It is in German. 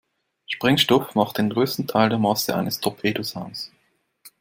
Sprengstoff macht den größten Teil der Masse eines Torpedos aus.